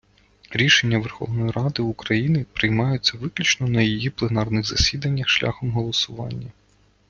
Рішення Верховної Ради України приймаються виключно на її пленарних засіданнях шляхом голосування.